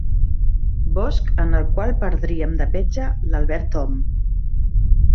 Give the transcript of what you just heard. Bosc en el qual perdríem de petja l'Albert Om.